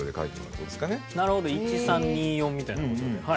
なるほど１・３２・４みたいな事で。